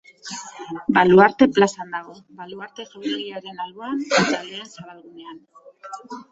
Baluarte plazan dago, Baluarte jauregiaren alboan, eta Lehen Zabalgunean.